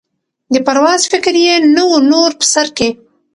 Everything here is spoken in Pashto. د پرواز فکر یې نه وو نور په سر کي